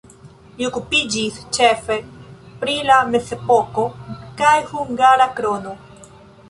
Li okupiĝis ĉefe pri la mezepoko kaj hungara krono.